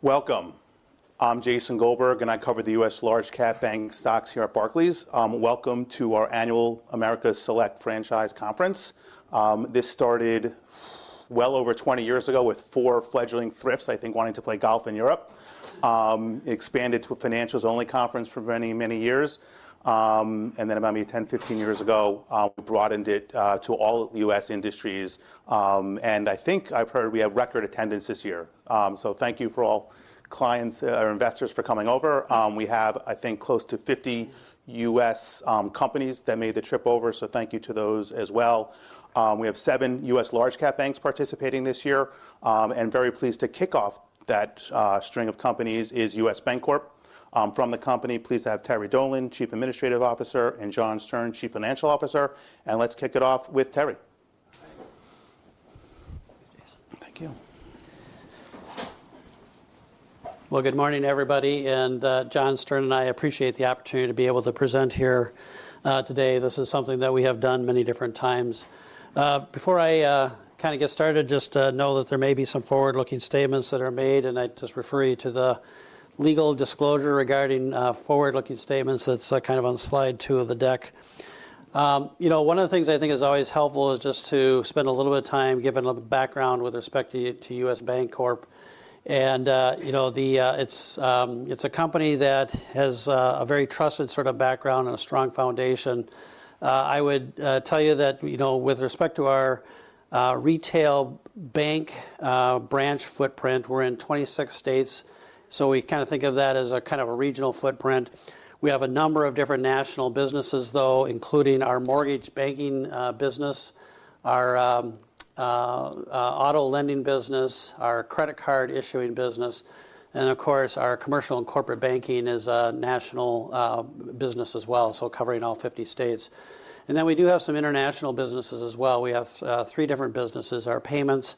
Welcome! I'm Jason Goldberg, and I cover the U.S. large cap bank stocks here at Barclays. Welcome to our annual Americas Select Franchise Conference. This started well over 20 years ago with four fledgling thrifts, I think, wanting to play golf in Europe. Expanded to a financials-only conference for many, many years. And then about maybe 10, 15 years ago, we broadened it to all U.S. industries. And I think I've heard we have record attendance this year. So thank you for all clients or investors for coming over. We have, I think, close to 50 U.S. companies that made the trip over, so thank you to those as well. We have seven U.S. large cap banks participating this year. And very pleased to kick off that string of companies is U.S. Bancorp. From the company, please have Terry Dolan, Chief Administration Officer, and John Stern, Chief Financial Officer. Let's kick it off with Terry. Thank you. Thank you. Well, good morning, everybody, and, John Stern, and I appreciate the opportunity to be able to present here, today. This is something that we have done many different times. Before I kind of get started, just know that there may be some forward-looking statements that are made, and I just refer you to the legal disclosure regarding forward-looking statements that's kind of on slide 2 of the deck. You know, one of the things I think is always helpful is just to spend a little bit of time giving a little background with respect to U.S. Bancorp. And, you know, the... it's a company that has a very trusted sort of background and a strong foundation. I would tell you that, you know, with respect to our retail bank branch footprint, we're in 26 states, so we kind of think of that as a kind of a regional footprint. We have a number of different national businesses, though, including our mortgage banking business, our auto lending business, our credit card issuing business, and of course, our commercial and corporate banking is a national business as well, so covering all 50 states. And then we do have some international businesses as well. We have 3 different businesses, our payments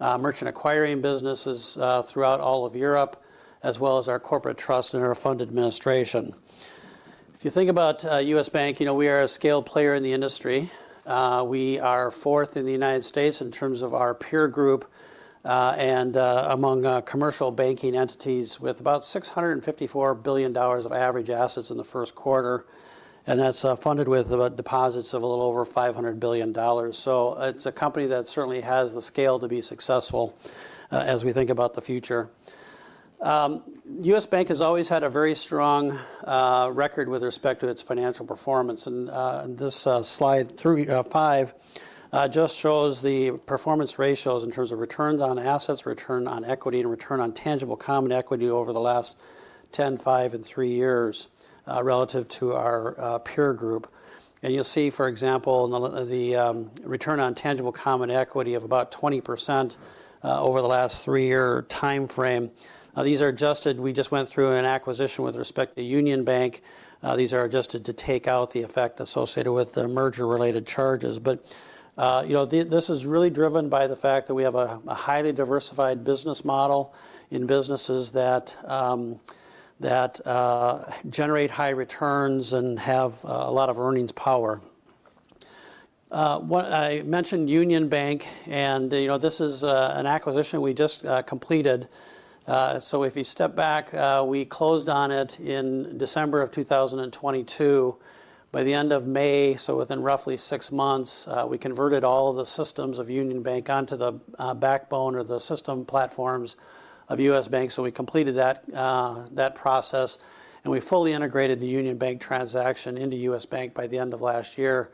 merchant acquiring businesses throughout all of Europe, as well as our corporate trust and our fund administration. If you think about U.S. Bank, you know, we are a scale player in the industry. We are fourth in the United States in terms of our peer group, and among commercial banking entities with about $654 billion of average assets in the first quarter, and that's funded with about deposits of a little over $500 billion. So it's a company that certainly has the scale to be successful, as we think about the future. U.S. Bank has always had a very strong record with respect to its financial performance, and this slide through five just shows the performance ratios in terms of returns on assets, return on equity, and return on tangible common equity over the last 10, 5, and 3 years, relative to our peer group. And you'll see, for example, the return on tangible common equity of about 20% over the last three-year timeframe. These are adjusted. We just went through an acquisition with respect to Union Bank. These are adjusted to take out the effect associated with the merger-related charges. But, you know, this is really driven by the fact that we have a highly diversified business model in businesses that generate high returns and have a lot of earnings power. I mentioned Union Bank, and, you know, this is an acquisition we just completed. So if you step back, we closed on it in December 2022. By the end of May, so within roughly six months, we converted all of the systems of Union Bank onto the backbone or the system platforms of U.S. Bank. So we completed that process, and we fully integrated the Union Bank transaction into U.S. Bank by the end of last year.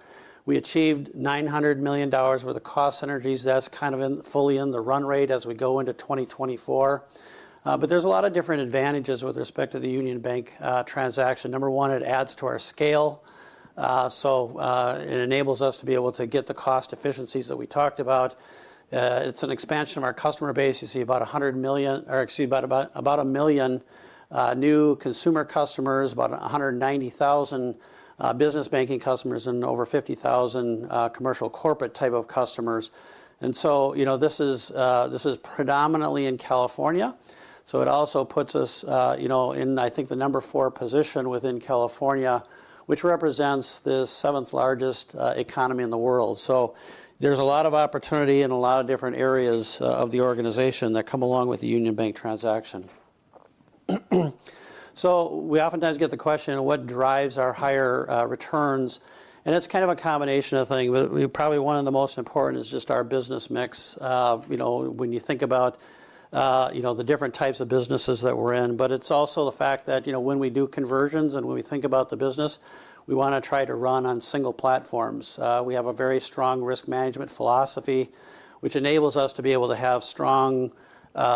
We achieved $900 million worth of cost synergies. That's kind of fully in the run rate as we go into 2024. But there's a lot of different advantages with respect to the Union Bank transaction. Number one, it adds to our scale. So it enables us to be able to get the cost efficiencies that we talked about. It's an expansion of our customer base. You see about 100 million, or excuse me, about 1 million new consumer customers, about 190,000 business banking customers, and over 50,000 commercial corporate type of customers. So, you know, this is predominantly in California, so it also puts us, you know, in, I think, the number 4 position within California, which represents the seventh largest economy in the world. So there's a lot of opportunity in a lot of different areas of the organization that come along with the Union Bank transaction. So we oftentimes get the question, "What drives our higher returns?" And it's kind of a combination of things. Well, probably one of the most important is just our business mix. You know, when you think about the different types of businesses that we're in, but it's also the fact that, you know, when we do conversions and when we think about the business, we want to try to run on single platforms. We have a very strong risk management philosophy, which enables us to be able to have strong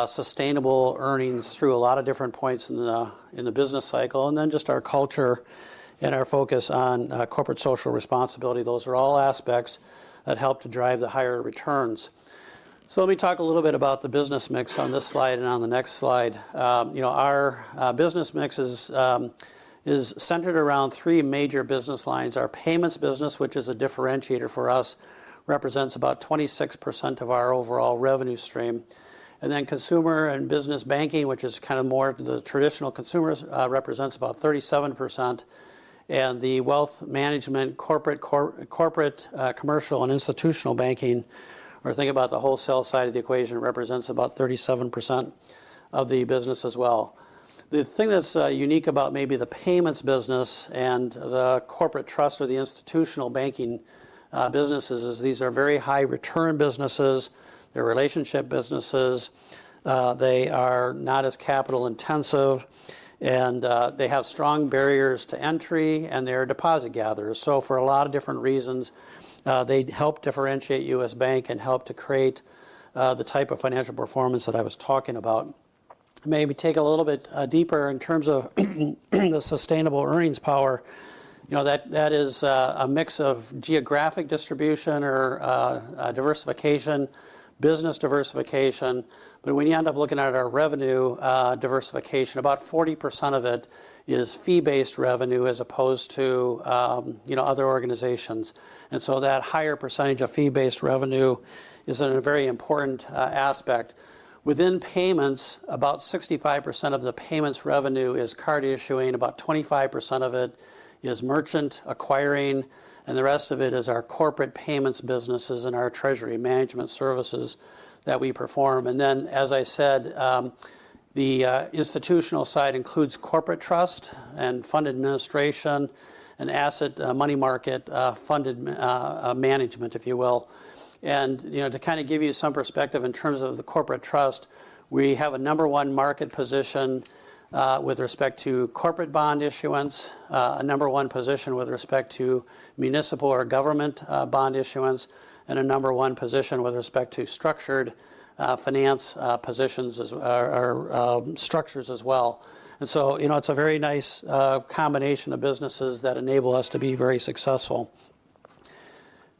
sustainable earnings through a lot of different points in the business cycle, and then just our culture and our focus on corporate social responsibility. Those are all aspects that help to drive the higher returns. So let me talk a little bit about the business mix on this slide and on the next slide. You know, our business mix is centered around three major business lines. Our payments business, which is a differentiator for us, represents about 26% of our overall revenue stream. And then consumer and business banking, which is kind of more the traditional consumers, represents about 37%, and the wealth management, corporate corporate, commercial, and institutional banking, or think about the wholesale side of the equation, represents about 37% of the business as well. The thing that's unique about maybe the payments business and the corporate trust or the institutional banking businesses is these are very high-return businesses. They're relationship businesses. They are not as capital-intensive, and they have strong barriers to entry, and they're deposit gatherers. So for a lot of different reasons, they help differentiate U.S. Bank and help to create the type of financial performance that I was talking about. Maybe take a little bit deeper in terms of the sustainable earnings power, you know, that, that is a mix of geographic distribution or a diversification, business diversification. But when you end up looking at our revenue diversification, about 40% of it is fee-based revenue as opposed to, you know, other organizations. And so that higher percentage of fee-based revenue is in a very important aspect. Within payments, about 65% of the payments revenue is card issuing, about 25% of it is merchant acquiring, and the rest of it is our corporate payments businesses and our treasury management services that we perform. And then, as I said, the institutional side includes corporate trust and fund administration and asset money market fund management, if you will. You know, to kind of give you some perspective in terms of the corporate trust, we have a number one market position with respect to corporate bond issuance, a number one position with respect to municipal or government bond issuance, and a number one position with respect to structured finance positions or structures as well. You know, it's a very nice combination of businesses that enable us to be very successful.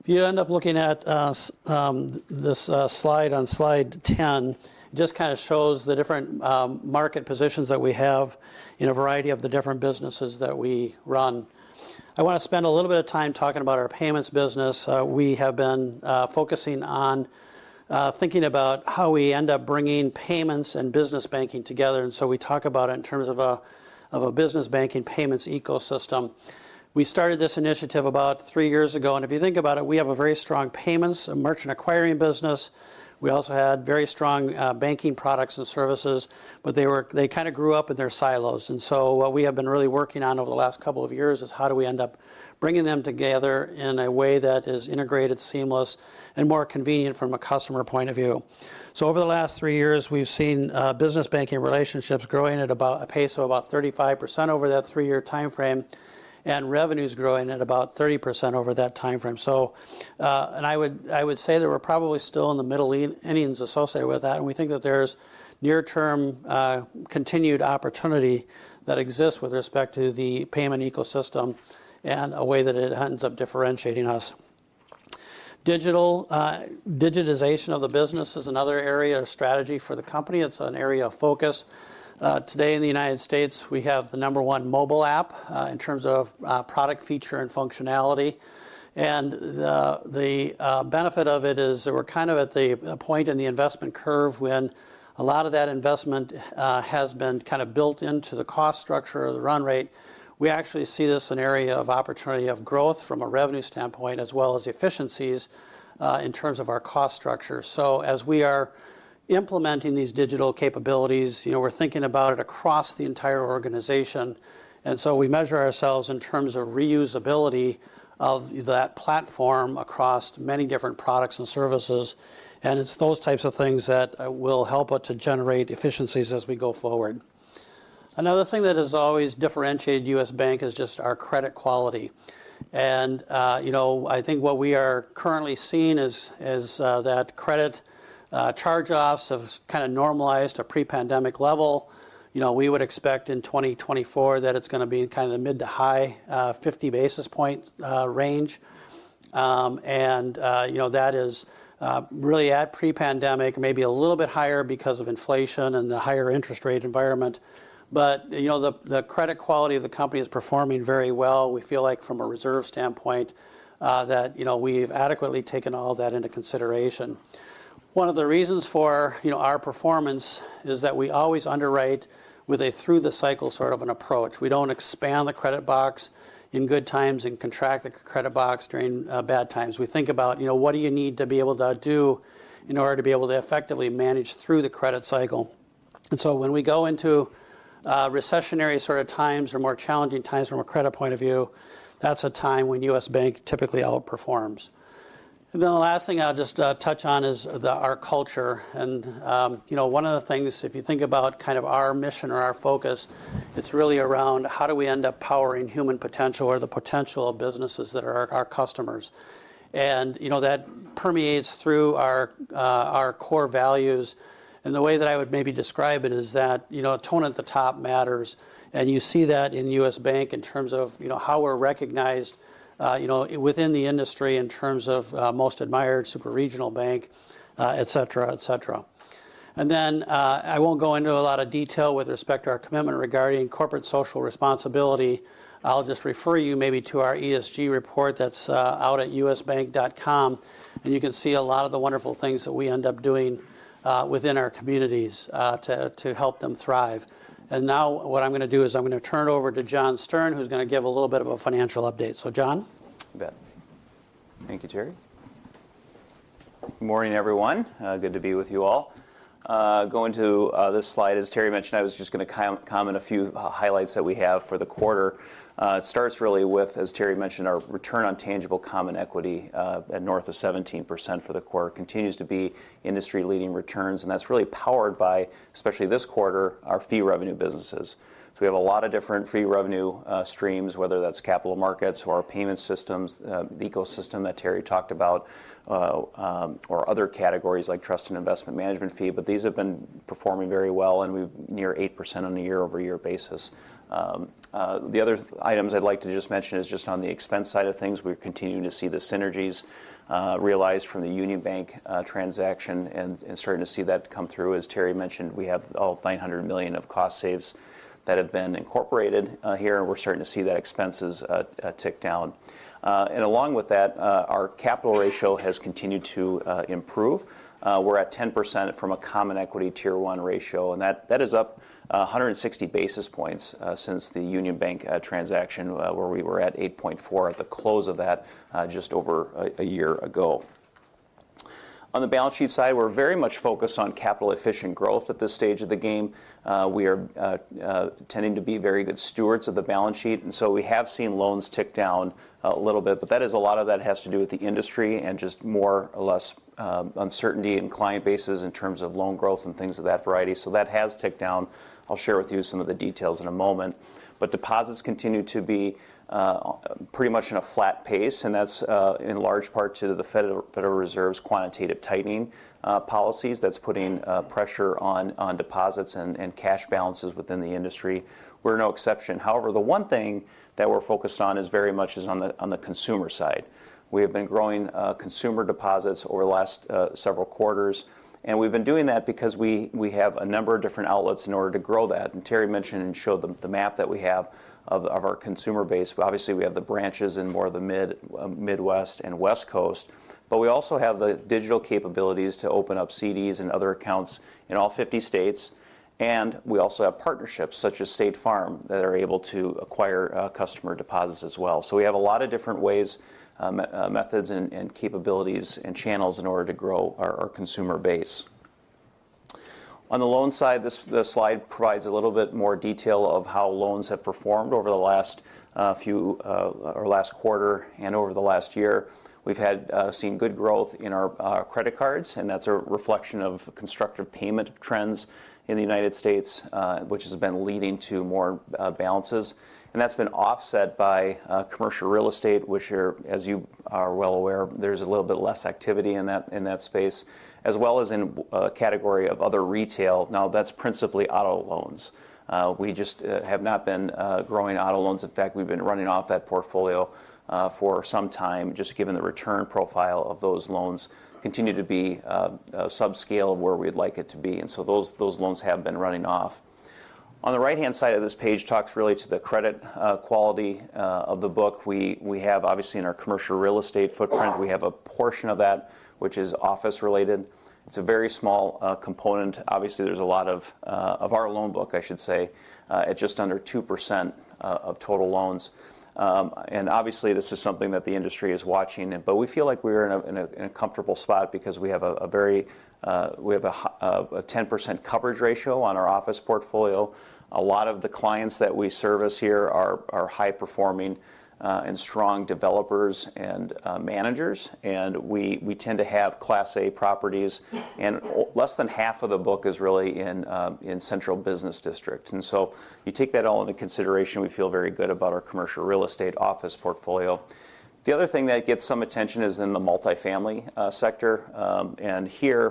If you end up looking at this slide, on slide 10, it just kind of shows the different market positions that we have in a variety of the different businesses that we run. I want to spend a little bit of time talking about our payments business. We have been focusing on thinking about how we end up bringing payments and business banking together, and so we talk about it in terms of a, of a business banking payments ecosystem. We started this initiative about three years ago, and if you think about it, we have a very strong payments, a merchant acquiring business. We also had very strong banking products and services, but they were- they kind of grew up in their silos. And so what we have been really working on over the last couple of years is how do we end up bringing them together in a way that is integrated, seamless, and more convenient from a customer point of view? So over the last three years, we've seen, business banking relationships growing at about a pace of about 35% over that three-year timeframe, and revenues growing at about 30% over that timeframe. So, and I would, I would say that we're probably still in the middle innings associated with that, and we think that there's near-term, continued opportunity that exists with respect to the payment ecosystem and a way that it ends up differentiating us. Digital digitization of the business is another area of strategy for the company. It's an area of focus. Today in the United States, we have the number one mobile app, in terms of, product feature and functionality. The benefit of it is that we're kind of at the point in the investment curve when a lot of that investment has been kind of built into the cost structure or the run rate. We actually see this an area of opportunity of growth from a revenue standpoint, as well as efficiencies in terms of our cost structure. So as we are implementing these digital capabilities, you know, we're thinking about it across the entire organization, and so we measure ourselves in terms of reusability of that platform across many different products and services, and it's those types of things that will help us to generate efficiencies as we go forward. Another thing that has always differentiated U.S. Bank is just our credit quality. You know, I think what we are currently seeing is that credit charge-offs have kind of normalized to pre-pandemic level. You know, we would expect in 2024 that it's gonna be kind of the mid- to high-50 basis points range. You know, that is really at pre-pandemic, maybe a little bit higher because of inflation and the higher interest rate environment. But, you know, the credit quality of the company is performing very well. We feel like from a reserve standpoint, that, you know, we've adequately taken all that into consideration. One of the reasons for, you know, our performance is that we always underwrite with a through-the-cycle sort of an approach. We don't expand the credit box in good times and contract the credit box during bad times. We think about, you know, what do you need to be able to do in order to be able to effectively manage through the credit cycle? And so when we go into, recessionary sort of times or more challenging times from a credit point of view, that's a time when U.S. Bank typically outperforms. And then the last thing I'll just, touch on is the, our culture. And, you know, one of the things, if you think about kind of our mission or our focus, it's really around: How do we end up powering human potential or the potential of businesses that are our customers? And, you know, that permeates through our, our core values. And the way that I would maybe describe it is that, you know, tone at the top matters, and you see that in U.S. Bank in terms of, you know, how we're recognized, you know, within the industry in terms of, most admired superregional bank, et cetera, et cetera. And then, I won't go into a lot of detail with respect to our commitment regarding corporate social responsibility. I'll just refer you maybe to our ESG report that's out at usbank.com, and you can see a lot of the wonderful things that we end up doing within our communities to help them thrive. And now what I'm gonna do is I'm gonna turn it over to John Stern, who's gonna give a little bit of a financial update. So John? You bet. Thank you, Terry.... Well, good morning, everyone. Good to be with you all. Going to this slide, as Terry mentioned, I was just going to comment a few highlights that we have for the quarter. It starts really with, as Terry mentioned, our return on tangible common equity at north of 17% for the quarter. Continues to be industry-leading returns, and that's really powered by, especially this quarter, our fee revenue businesses. So we have a lot of different fee revenue streams, whether that's capital markets or our payment systems, the ecosystem that Terry talked about, or other categories like trust and investment management fee. But these have been performing very well, and we're near 8% on a year-over-year basis. The other items I'd like to just mention is just on the expense side of things. We're continuing to see the synergies realized from the Union Bank transaction, and starting to see that come through. As Terry mentioned, we have $900 million of cost saves that have been incorporated here, and we're starting to see that expenses tick down. And along with that, our capital ratio has continued to improve. We're at 10% from a Common Equity Tier 1 ratio, and that is up 160 basis points since the Union Bank transaction, where we were at 8.4 at the close of that just over a year ago. On the balance sheet side, we're very much focused on capital-efficient growth at this stage of the game. We are tending to be very good stewards of the balance sheet, and so we have seen loans tick down a little bit. But that is... a lot of that has to do with the industry and just more or less, uncertainty in client bases in terms of loan growth and things of that variety. So that has ticked down. I'll share with you some of the details in a moment. But deposits continue to be pretty much in a flat pace, and that's in large part to the Federal Reserve's quantitative tightening policies. That's putting pressure on deposits and cash balances within the industry. We're no exception. However, the one thing that we're focused on is very much on the consumer side. We have been growing consumer deposits over the last several quarters, and we've been doing that because we have a number of different outlets in order to grow that. Terry mentioned and showed the map that we have of our consumer base. Obviously, we have the branches in more of the Midwest and West Coast, but we also have the digital capabilities to open up CDs and other accounts in all 50 states. We also have partnerships, such as State Farm, that are able to acquire customer deposits as well. We have a lot of different ways methods, and capabilities, and channels in order to grow our consumer base. On the loan side, this slide provides a little bit more detail of how loans have performed over the last few or last quarter and over the last year. We've had seen good growth in our credit cards, and that's a reflection of constructive payment trends in the United States, which has been leading to more balances. And that's been offset by commercial real estate, which are, as you are well aware, there's a little bit less activity in that space, as well as in a category of other retail. Now, that's principally auto loans. We just have not been growing auto loans. In fact, we've been running off that portfolio for some time, just given the return profile of those loans continue to be subscale of where we'd like it to be. And so those loans have been running off. On the right-hand side of this page, talks really to the credit quality of the book. We have, obviously, in our commercial real estate footprint, we have a portion of that which is office related. It's a very small component. Obviously, there's a lot of of our loan book, I should say, at just under 2% of total loans. And obviously, this is something that the industry is watching, but we feel like we're in a comfortable spot because we have a very... We have a 10% coverage ratio on our office portfolio. A lot of the clients that we service here are high-performing and strong developers and managers, and we tend to have Class A properties. And less than half of the book is really in central business districts. And so you take that all into consideration, we feel very good about our commercial real estate office portfolio. The other thing that gets some attention is in the multifamily sector. And here,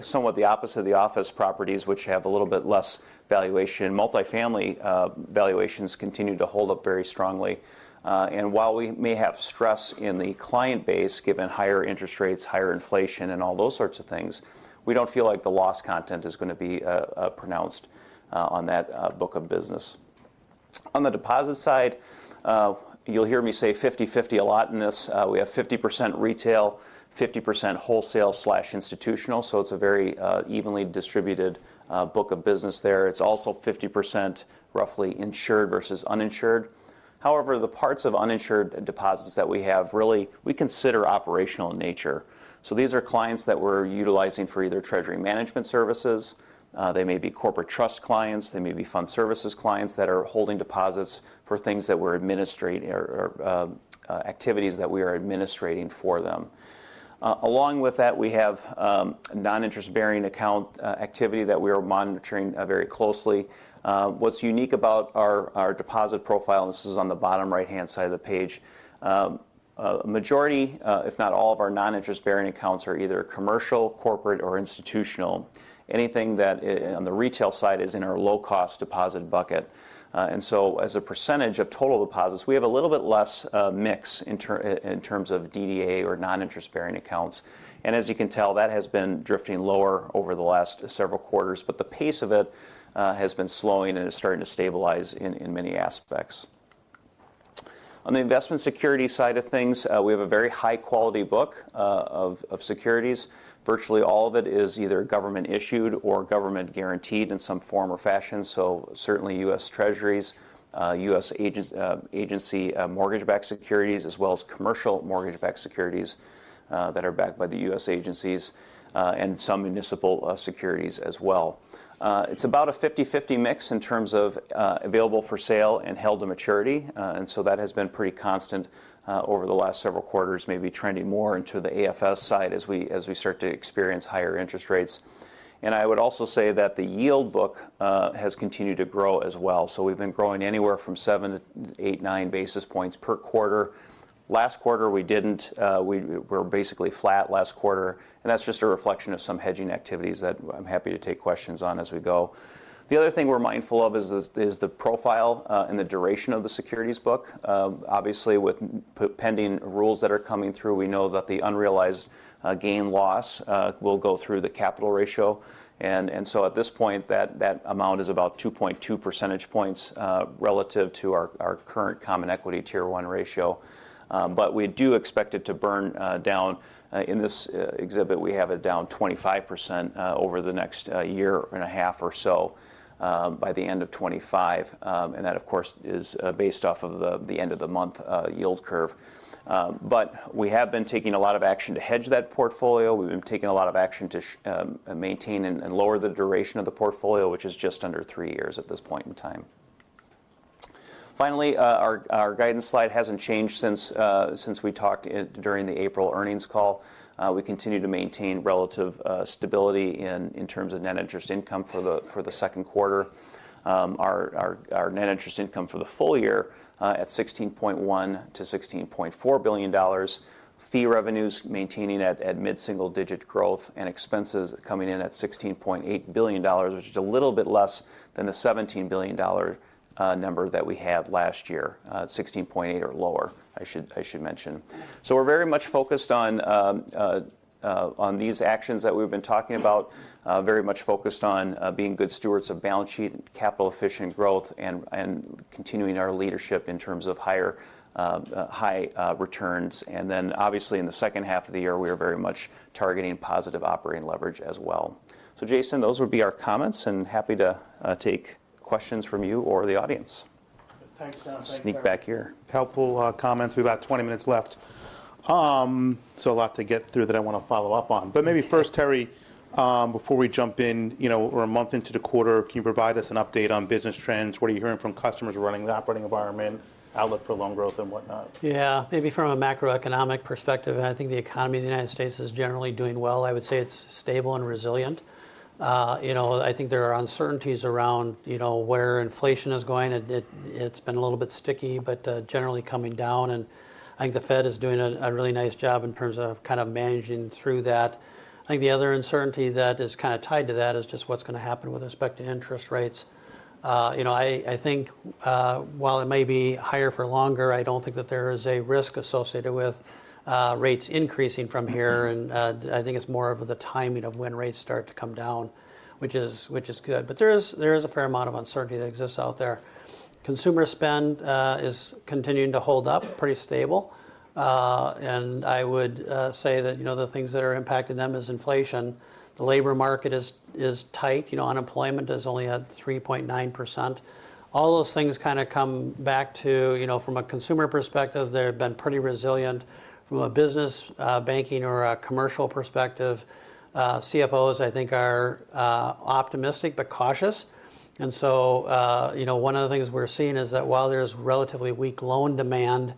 somewhat the opposite of the office properties, which have a little bit less valuation. Multifamily valuations continue to hold up very strongly. And while we may have stress in the client base, given higher interest rates, higher inflation, and all those sorts of things, we don't feel like the loss content is going to be pronounced on that book of business. On the deposit side, you'll hear me say 50/50 a lot in this. We have 50% retail, 50% wholesale/institutional, so it's a very evenly distributed book of business there. It's also 50%, roughly, insured versus uninsured. However, the parts of uninsured deposits that we have, really, we consider operational in nature. So these are clients that we're utilizing for either treasury management services, they may be corporate trust clients, they may be fund services clients that are holding deposits for things that we're administrating or activities that we are administrating for them. Along with that, we have non-interest-bearing account activity that we are monitoring very closely. What's unique about our deposit profile, and this is on the bottom right-hand side of the page, majority if not all of our non-interest-bearing accounts are either commercial, corporate, or institutional. Anything that on the retail side is in our low-cost deposit bucket. And so as a percentage of total deposits, we have a little bit less mix in terms of DDA or non-interest-bearing accounts. And as you can tell, that has been drifting lower over the last several quarters, but the pace of it has been slowing and is starting to stabilize in many aspects. On the investment security side of things, we have a very high-quality book of securities. Virtually all of it is either government-issued or government-guaranteed in some form or fashion, so certainly U.S. Treasuries, U.S. agencies, agency mortgage-backed securities, as well as commercial mortgage-backed securities that are backed by the U.S. agencies, and some municipal securities as well. It's about a 50/50 mix in terms of available-for-sale and held-to-maturity. And so that has been pretty constant over the last several quarters, maybe trending more into the AFS side as we start to experience higher interest rates. And I would also say that the yield book has continued to grow as well, so we've been growing anywhere from 7-9 basis points per quarter. Last quarter, we didn't. We're basically flat last quarter, and that's just a reflection of some hedging activities that I'm happy to take questions on as we go. The other thing we're mindful of is the profile and the duration of the securities book. Obviously, with pending rules that are coming through, we know that the unrealized gain loss will go through the capital ratio. And so at this point, that amount is about 2.2 percentage points relative to our current Common Equity Tier 1 ratio. But we do expect it to burn down. In this exhibit, we have it down 25% over the next year and a half or so, by the end of 2025. And that, of course, is based off of the end of the month yield curve. But we have been taking a lot of action to hedge that portfolio. We've been taking a lot of action to maintain and lower the duration of the portfolio, which is just under three years at this point in time. Finally, our guidance slide hasn't changed since we talked during the April earnings call. We continue to maintain relative stability in terms of net interest income for the second quarter. Our net interest income for the full year at $16.1 billion-$16.4 billion. Fee revenues maintaining at mid-single-digit growth, and expenses coming in at $16.8 billion, which is a little bit less than the $17 billion number that we had last year. 16.8 or lower, I should, I should mention. So we're very much focused on these actions that we've been talking about, very much focused on being good stewards of balance sheet and capital-efficient growth, and continuing our leadership in terms of high returns. And then, obviously, in the second half of the year, we are very much targeting positive operating leverage as well. So, Jason, those would be our comments, and happy to take questions from you or the audience. Thanks, John. Thanks- Sneak back here. Helpful comments. We've about 20 minutes left. So a lot to get through that I want to follow up on. But maybe first, Terry, before we jump in, you know, we're a month into the quarter. Can you provide us an update on business trends? What are you hearing from customers regarding the operating environment, outlook for loan growth, and whatnot? Yeah. Maybe from a macroeconomic perspective, I think the economy of the United States is generally doing well. I would say it's stable and resilient. You know, I think there are uncertainties around, you know, where inflation is going. It's been a little bit sticky, but generally coming down, and I think the Fed is doing a really nice job in terms of kind of managing through that. I think the other uncertainty that is kind of tied to that is just what's going to happen with respect to interest rates. You know, I think while it may be higher for longer, I don't think that there is a risk associated with rates increasing from here, and I think it's more of the timing of when rates start to come down, which is good. But there is a fair amount of uncertainty that exists out there. Consumer spend is continuing to hold up, pretty stable. And I would say that, you know, the things that are impacting them is inflation. The labor market is tight. You know, unemployment is only at 3.9%. All those things kind of come back to... You know, from a consumer perspective, they have been pretty resilient. From a business banking or a commercial perspective, CFOs, I think, are optimistic but cautious. And so, you know, one of the things we're seeing is that while there's relatively weak loan demand,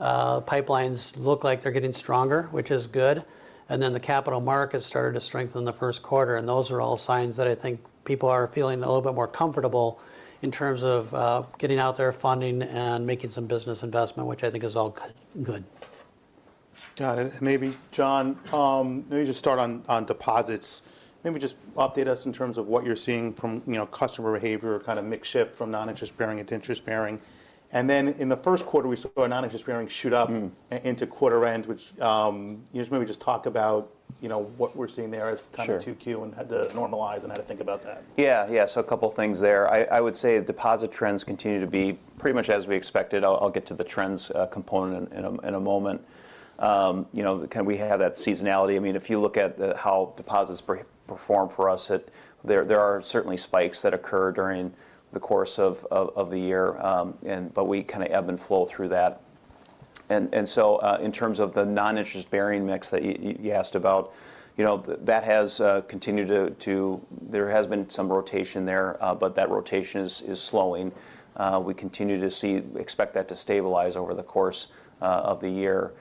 pipelines look like they're getting stronger, which is good, and then the capital markets started to strengthen the first quarter. Those are all signs that I think people are feeling a little bit more comfortable in terms of getting out there, funding, and making some business investment, which I think is all good, good. Got it. Maybe, John, let me just start on deposits. Maybe just update us in terms of what you're seeing from, you know, customer behavior, kind of mix shift from non-interest bearing to interest bearing. And then in the first quarter, we saw our non-interest bearing shoot up- Mm... into quarter end, which, you just maybe just talk about, you know, what we're seeing there as- Sure kind of 2Q, and how to normalize, and how to think about that. Yeah, yeah. So a couple things there. I would say the deposit trends continue to be pretty much as we expected. I'll get to the trends component in a moment. You know, can we have that seasonality? I mean, if you look at the how deposits perform for us, it. There are certainly spikes that occur during the course of the year, and but we kind of ebb and flow through that. And so, in terms of the non-interest bearing mix that you asked about, you know, that has continued to. There has been some rotation there, but that rotation is slowing. We continue to expect that to stabilize over the course of the year. And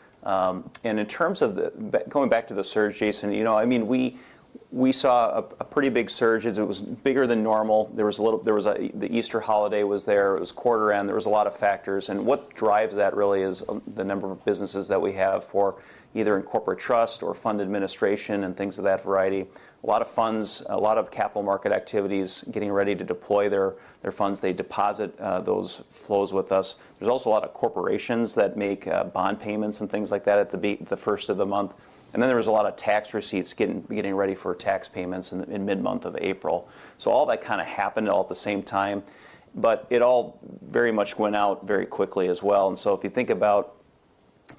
in terms of going back to the surge, Jason, you know, I mean, we saw a pretty big surge as it was bigger than normal. There was the Easter holiday. It was quarter end. There was a lot of factors. And what drives that really is the number of businesses that we have for either in corporate trust or fund administration, and things of that variety. A lot of funds, a lot of capital market activities, getting ready to deploy their funds. They deposit those flows with us. There's also a lot of corporations that make bond payments and things like that at the first of the month. And then there was a lot of tax receipts getting ready for tax payments in mid-month of April. So all that kind of happened all at the same time, but it all very much went out very quickly as well. And so if you think about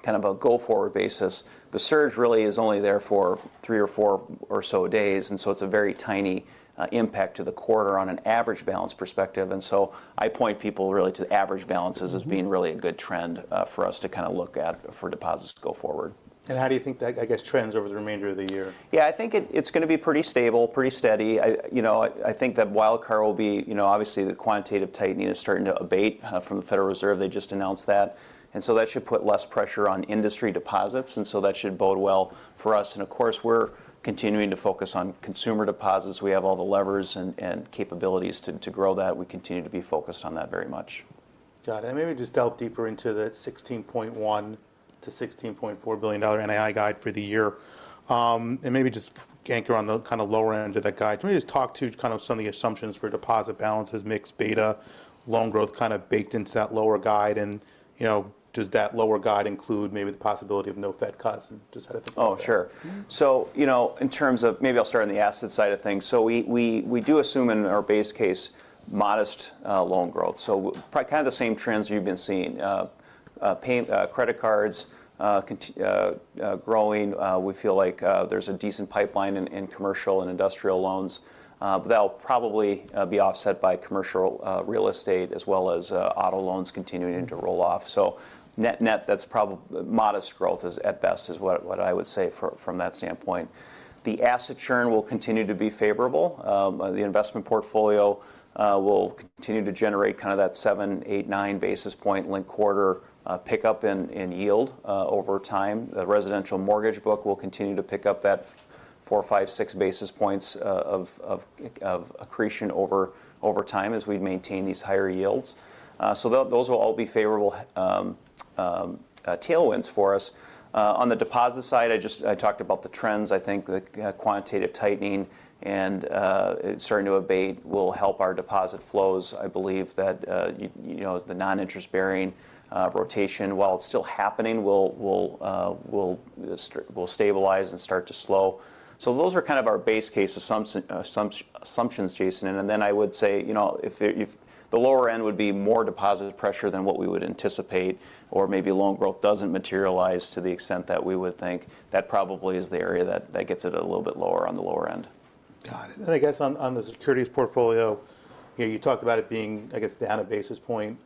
kind of a go-forward basis, the surge really is only there for three or four or so days, and so it's a very tiny impact to the quarter on an average balance perspective. And so I point people really to the average balances. Mm-hmm. - as being really a good trend, for us to kind of look at for deposits to go forward. How do you think that, I guess, trends over the remainder of the year? Yeah, I think it's gonna be pretty stable, pretty steady. I, you know, I think that wild card will be, you know, obviously, the quantitative tightening is starting to abate from the Federal Reserve. They just announced that, and so that should put less pressure on industry deposits, and so that should bode well for us. And of course, we're continuing to focus on consumer deposits. We have all the levers and capabilities to grow that. We continue to be focused on that very much. Got it. And maybe just delve deeper into the $16.1 billion-$16.4 billion NII guide for the year. And maybe just anchor on the kind of lower end of that guide. Can we just talk to kind of some of the assumptions for deposit balances, mix beta, loan growth, kind of baked into that lower guide? And, you know, does that lower guide include maybe the possibility of no Fed cuts, and just how to think of that? Oh, sure. Mm-hmm. So, you know, in terms of... Maybe I'll start on the asset side of things. So we do assume in our base case modest loan growth, so kind of the same trends you've been seeing. C&I, credit cards continuing growing. We feel like there's a decent pipeline in commercial and industrial loans, but that'll probably be offset by commercial real estate, as well as auto loans continuing to roll off. So net, that's probably modest growth, at best, what I would say from that standpoint. The asset churn will continue to be favorable. The investment portfolio will continue to generate kind of that 7, 8, 9 basis point linked quarter pickup in yield. Over time, the residential mortgage book will continue to pick up that 4-6 basis points of accretion over time as we maintain these higher yields. So those will all be favorable tailwinds for us. On the deposit side, I just talked about the trends. I think the Quantitative Tightening and it's starting to abate will help our deposit flows. I believe that you know, as the non-interest-bearing rotation, while it's still happening, will stabilize and start to slow. So those are kind of our base case assumptions, Jason. And then I would say, you know, if the lower end would be more deposit pressure than what we would anticipate, or maybe loan growth doesn't materialize to the extent that we would think, that probably is the area that gets it a little bit lower on the lower end. Got it. And I guess on the securities portfolio, you know, you talked about it being, I guess, down a basis point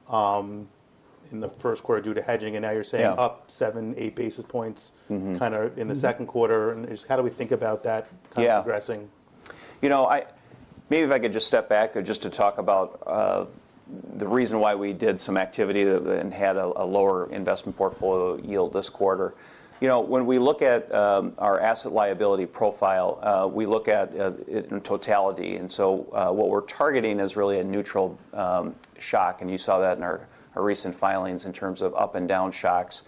in the first quarter due to hedging, and now you're saying- Yeah... up 7-8 basis points- Mm-hmm... kind of in the second quarter. Just how do we think about that- Yeah... kind of progressing? You know, maybe if I could just step back just to talk about the reason why we did some activity that then had a lower investment portfolio yield this quarter. You know, when we look at our asset liability profile, we look at it in totality, and so what we're targeting is really a neutral shock, and you saw that in our recent filings in terms of up and down shocks.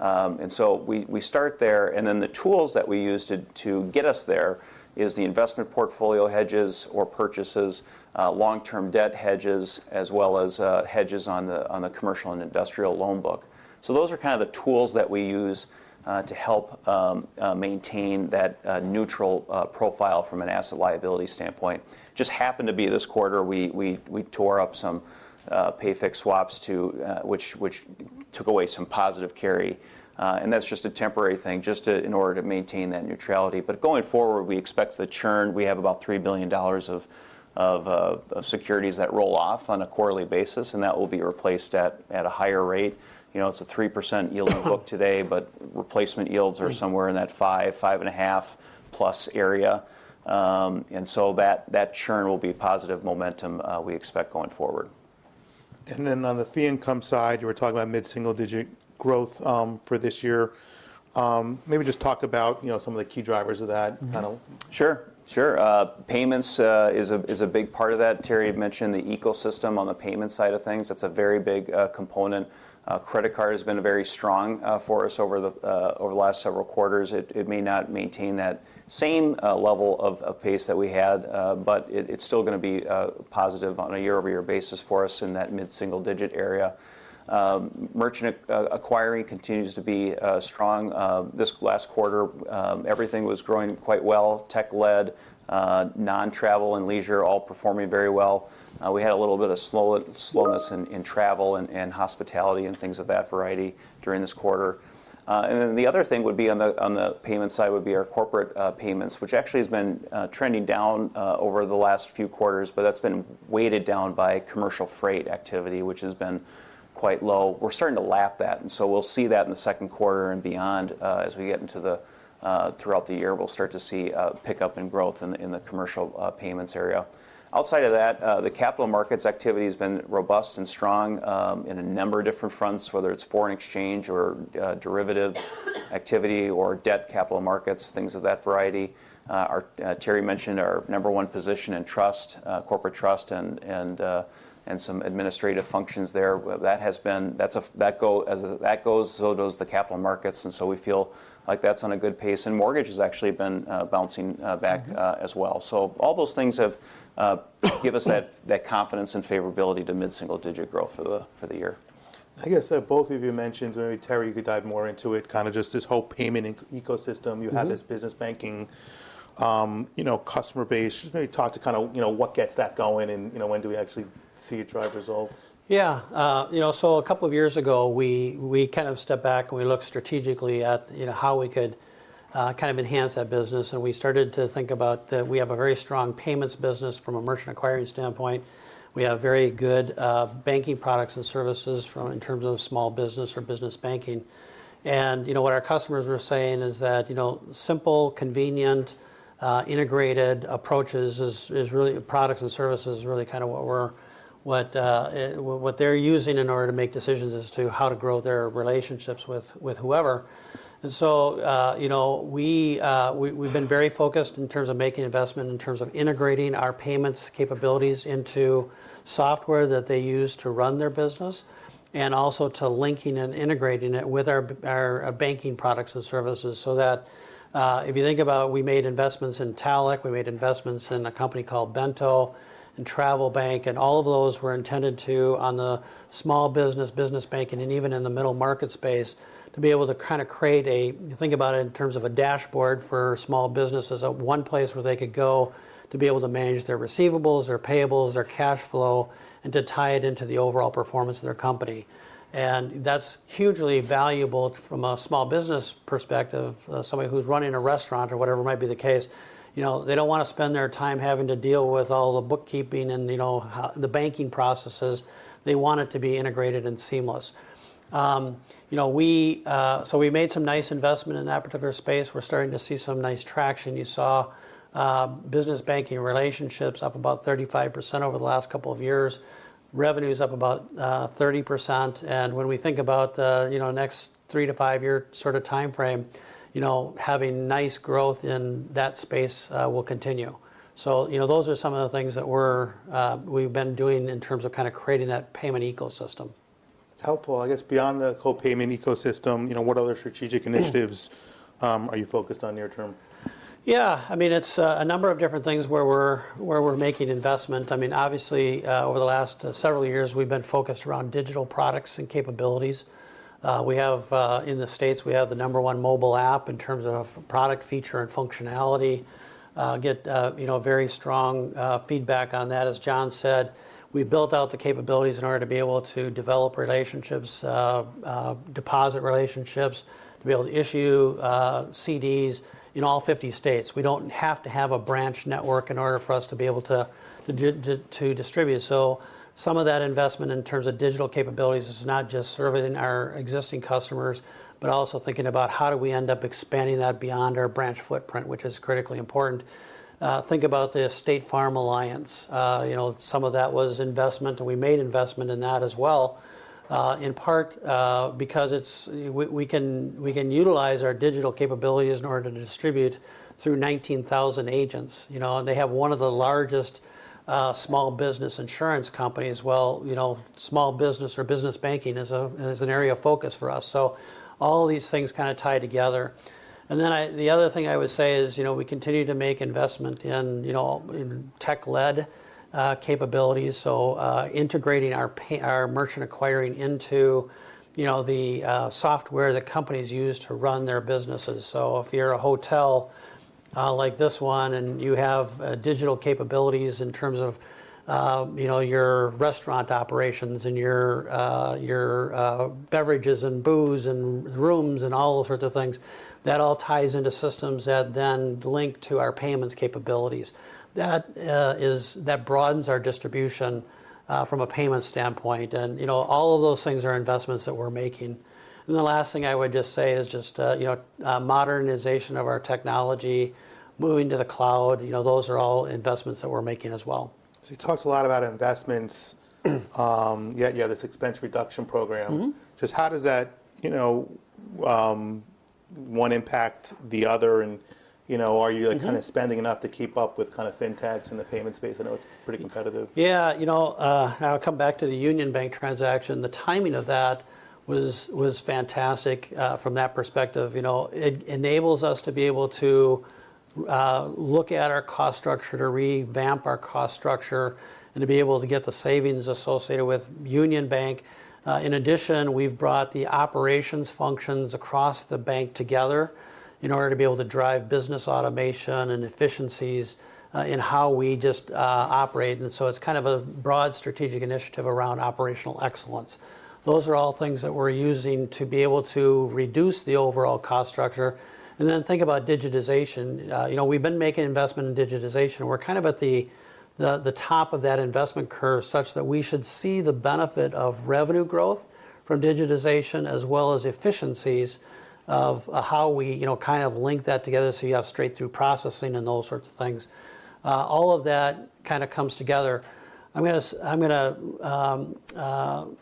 And so we start there, and then the tools that we use to get us there is the investment portfolio hedges or purchases, long-term debt hedges, as well as hedges on the commercial and industrial loan book. So those are kind of the tools that we use to help maintain that neutral profile from an asset liability standpoint. Just happened to be this quarter, we tore up some pay-fixed swaps, which took away some positive carry, and that's just a temporary thing, just to, in order to maintain that neutrality. But going forward, we expect the churn. We have about $3 billion of securities that roll off on a quarterly basis, and that will be replaced at a higher rate. You know, it's a 3% yield- Mm-hmm... in the book today, but replacement yields are somewhere in that 5, 5.5+ area. And so that churn will be positive momentum we expect going forward. And then on the fee income side, you were talking about mid-single-digit growth for this year. Maybe just talk about, you know, some of the key drivers of that- Mm-hmm... kind of. Sure, sure. Payments is a big part of that. Terry had mentioned the ecosystem on the payment side of things. That's a very big component. Credit card has been very strong for us over the last several quarters. It may not maintain that same level of pace that we had, but it's still gonna be positive on a year-over-year basis for us in that mid-single-digit area. Merchant acquiring continues to be strong. This last quarter, everything was growing quite well. Tech led, non-travel and leisure all performing very well. We had a little bit of slowness in travel and hospitality, and things of that variety during this quarter. And then the other thing would be on the payment side would be our corporate payments, which actually has been trending down over the last few quarters, but that's been weighted down by commercial freight activity, which has been quite low. We're starting to lap that, and so we'll see that in the second quarter and beyond. As we get into the throughout the year, we'll start to see a pickup in growth in the commercial payments area. Outside of that, the capital markets activity has been robust and strong in a number of different fronts, whether it's foreign exchange or derivatives activity or debt capital markets, things of that variety. Our Terry mentioned our number one position in trust corporate trust and some administrative functions there. Well, as that goes, so does the capital markets, and so we feel like that's on a good pace, and mortgage has actually been bouncing back- Mm-hmm... as well. So all those things have, give us that, that confidence and favorability to mid-single-digit growth for the, for the year. I guess, both of you mentioned, maybe Terry, you could dive more into it, kind of just this whole payment and ecosystem. Mm-hmm. You have this business banking, you know, customer base. Just maybe talk to kind of, you know, what gets that going and, you know, when do we actually see it drive results?... Yeah, you know, so a couple of years ago, we kind of stepped back, and we looked strategically at, you know, how we could kind of enhance that business. And we started to think about that we have a very strong payments business from a merchant acquiring standpoint. We have very good banking products and services from, in terms of small business or business banking. And, you know, what our customers were saying is that, you know, simple, convenient, integrated approaches, products and services, is really kind of what they're using in order to make decisions as to how to grow their relationships with whoever. And so, you know, we've been very focused in terms of making investment, in terms of integrating our payments capabilities into software that they use to run their business, and also to linking and integrating it with our banking products and services so that. If you think about it, we made investments in talech, we made investments in a company called Bento and TravelBank, and all of those were intended to, on the small business, business banking, and even in the middle market space, to be able to kind of create think about it in terms of a dashboard for small businesses. One place where they could go to be able to manage their receivables, their payables, their cash flow, and to tie it into the overall performance of their company, and that's hugely valuable from a small business perspective. Somebody who's running a restaurant or whatever might be the case, you know, they don't want to spend their time having to deal with all the bookkeeping and, you know, the banking processes. They want it to be integrated and seamless. You know, we, so we made some nice investment in that particular space. We're starting to see some nice traction. You saw, business banking relationships up about 35% over the last couple of years. Revenue is up about, 30%. And when we think about the, you know, next 3-5-year sort of time frame, you know, having nice growth in that space, will continue. So, you know, those are some of the things that we're, we've been doing in terms of kind of creating that payment ecosystem. Helpful. I guess, beyond the whole payment ecosystem, you know, what other strategic initiatives- Hmm. Are you focused on near term? Yeah, I mean, it's a number of different things where we're making investment. I mean, obviously, over the last several years, we've been focused around digital products and capabilities. We have, in the States, the number one mobile app in terms of product feature and functionality. You know, very strong feedback on that. As John said, we've built out the capabilities in order to be able to develop relationships, deposit relationships, to be able to issue CDs in all 50 states. We don't have to have a branch network in order for us to be able to distribute. So some of that investment in terms of digital capabilities is not just serving our existing customers, but also thinking about, how do we end up expanding that beyond our branch footprint? Which is critically important. Think about the State Farm alliance. You know, some of that was investment, and we made investment in that as well, in part, because it's... We, we can, we can utilize our digital capabilities in order to distribute through 19,000 agents. You know, and they have one of the largest small business insurance companies. Well, you know, small business or business banking is a, is an area of focus for us, so all of these things kind of tie together. And then I... The other thing I would say is, you know, we continue to make investment in, you know, in tech-led capabilities, so, integrating our merchant acquiring into, you know, the software that companies use to run their businesses. So if you're a hotel, like this one, and you have digital capabilities in terms of, you know, your restaurant operations and your beverages, and booze, and rooms, and all those sorts of things, that all ties into systems that then link to our payments capabilities. That broadens our distribution from a payments standpoint. And, you know, all of those things are investments that we're making. And the last thing I would just say is just, you know, modernization of our technology, moving to the cloud. You know, those are all investments that we're making as well. You talked a lot about investments. Hmm. Yet you have this expense reduction program. Mm-hmm. Just how does that, you know, one impact the other? And, you know- Mm-hmm... are you, like, kind of spending enough to keep up with kind of fintechs in the payments space? I know it's pretty competitive. Yeah, you know, and I'll come back to the Union Bank transaction. The timing of that was, was fantastic, from that perspective. You know, it enables us to be able to, look at our cost structure, to revamp our cost structure, and to be able to get the savings associated with Union Bank. In addition, we've brought the operations functions across the bank together in order to be able to drive business automation and efficiencies, in how we just, operate, and so it's kind of a broad strategic initiative around operational excellence. Those are all things that we're using to be able to reduce the overall cost structure. And then think about digitization. You know, we've been making investment in digitization. We're kind of at the top of that investment curve, such that we should see the benefit of revenue growth from digitization, as well as efficiencies of how we, you know, kind of link that together, so you have straight-through processing and those sorts of things. All of that kind of comes together. I'm gonna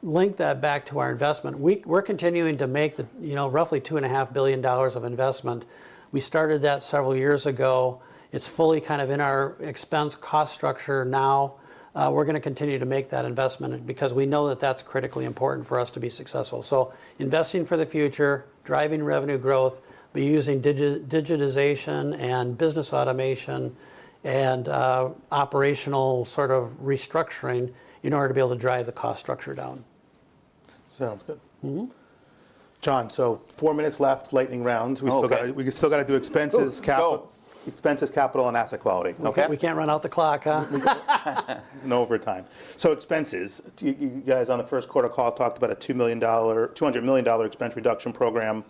link that back to our investment. We're continuing to make the, you know, roughly $2.5 billion of investment. We started that several years ago. It's fully kind of in our expense cost structure now. We're gonna continue to make that investment because we know that that's critically important for us to be successful. So investing for the future, driving revenue growth, but using digitization and business automation and operational sort of restructuring in order to be able to drive the cost structure down.... Sounds good. Mm-hmm. John, so 4 minutes left, lightning rounds. Okay. We still got to do expenses, cap- Let's go. Expenses, capital, and asset quality. Okay? We can't run out the clock, huh? No overtime. So expenses. Do you guys on the first quarter call talked about a $2 million-$200 million expense reduction program.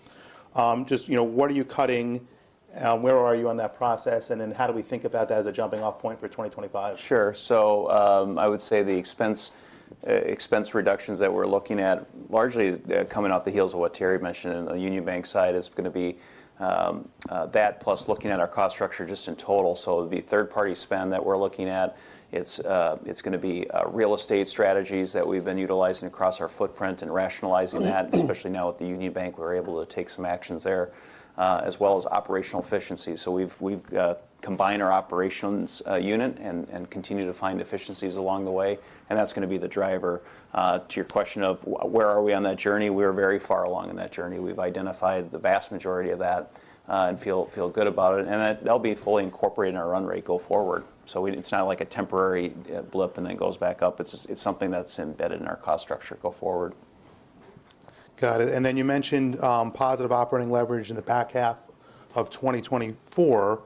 Just, you know, what are you cutting? Where are you on that process, and then how do we think about that as a jumping off point for 2025? Sure. So, I would say the expense reductions that we're looking at, largely coming off the heels of what Terry mentioned on the Union Bank side, is gonna be that plus looking at our cost structure just in total. So it'd be third-party spend that we're looking at. It's gonna be real estate strategies that we've been utilizing across our footprint and rationalizing that. Especially now with the Union Bank, we're able to take some actions there, as well as operational efficiency. So we've combined our operations unit, and continue to find efficiencies along the way, and that's gonna be the driver. To your question of where are we on that journey, we are very far along in that journey. We've identified the vast majority of that and feel good about it, and that'll be fully incorporated in our run rate go forward. So it's not like a temporary blip, and then goes back up. It's just something that's embedded in our cost structure go forward. Got it. And then you mentioned, positive operating leverage in the back half of 2024.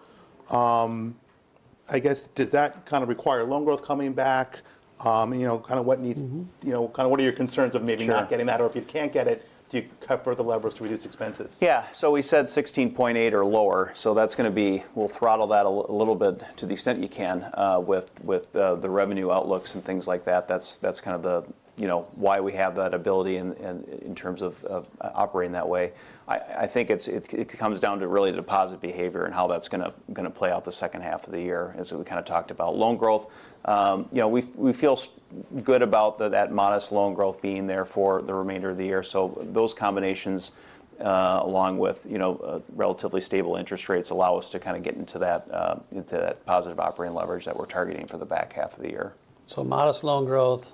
I guess, does that kind of require loan growth coming back? You know, kind of what needs- Mm-hmm... you know, kind of what are your concerns of maybe- Sure... not getting that, or if you can't get it, do you cut further leverage to reduce expenses? Yeah. So we said 16.8 or lower, so that's gonna be... We'll throttle that a little bit to the extent you can, with the revenue outlooks and things like that. That's kind of the, you know, why we have that ability in terms of operating that way. I think it comes down to really the deposit behavior and how that's gonna play out the second half of the year, as we kind of talked about. Loan growth, you know, we feel good about that modest loan growth being there for the remainder of the year. So those combinations, along with, you know, relatively stable interest rates, allow us to kind of get into that positive operating leverage that we're targeting for the back half of the year. So modest loan growth,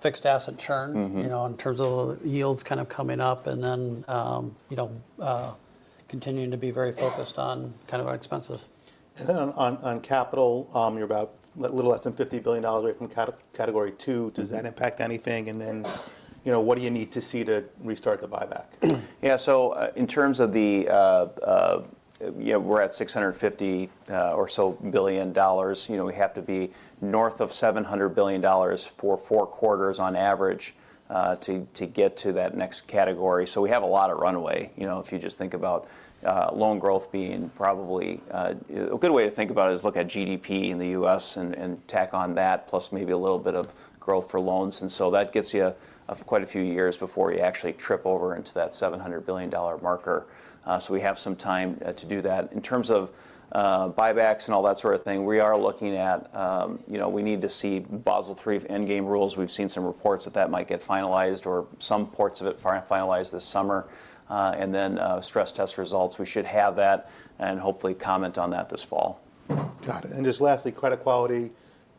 fixed asset churn. Mm-hmm... you know, in terms of yields kind of coming up, and then, you know, continuing to be very focused on kind of our expenses. On capital, you're about a little less than $50 billion from category two. Mm-hmm. Does that impact anything? And then, you know, what do you need to see to restart the buyback? Yeah, so, in terms of the, yeah, we're at $650 billion or so. You know, we have to be north of $700 billion for four quarters on average, to get to that next category. So we have a lot of runway, you know, if you just think about, loan growth being probably... A good way to think about it is look at GDP in the U.S. and, tack on that, plus maybe a little bit of growth for loans. And so that gets you, quite a few years before you actually trip over into that $700 billion marker. So we have some time, to do that. In terms of, buybacks and all that sort of thing, we are looking at, you know, we need to see Basel III Endgame rules. We've seen some reports that that might get finalized or some parts of it finalized this summer. And then, stress test results, we should have that, and hopefully comment on that this fall. Got it. And just lastly, credit quality.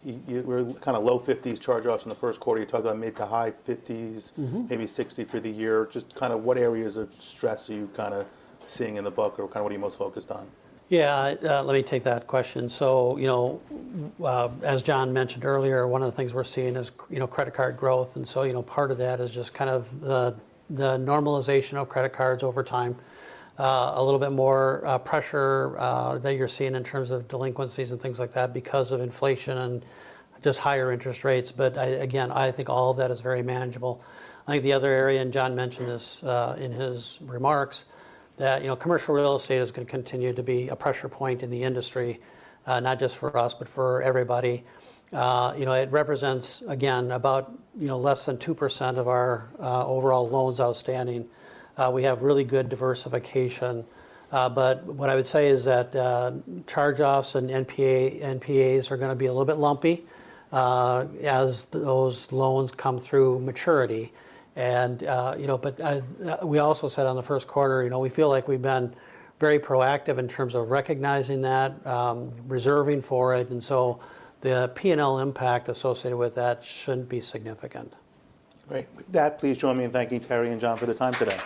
You, we're kind of low 50s charge-offs in the first quarter. You talked about maybe the high 50s- Mm-hmm... maybe 60 for the year. Just kind of what areas of stress are you kind of seeing in the book, or kind of what are you most focused on? Yeah, let me take that question. So, you know, as John mentioned earlier, one of the things we're seeing is, you know, credit card growth. And so, you know, part of that is just kind of the normalization of credit cards over time. A little bit more pressure that you're seeing in terms of delinquencies and things like that because of inflation and just higher interest rates. But again, I think all of that is very manageable. I think the other area, and John mentioned this in his remarks, that, you know, commercial real estate is gonna continue to be a pressure point in the industry, not just for us, but for everybody. You know, it represents, again, about, you know, less than 2% of our overall loans outstanding. We have really good diversification. But what I would say is that charge-offs and NPAs are gonna be a little bit lumpy as those loans come through maturity. And you know, we also said on the first quarter, you know, we feel like we've been very proactive in terms of recognizing that, reserving for it, and so the P&L impact associated with that shouldn't be significant. Great. With that, please join me in thanking Terry and John for their time today.